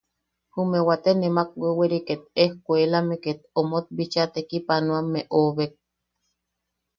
Jume waate nemak weweri ket ejkuelame ket omot bicha tekipanoa oʼobek.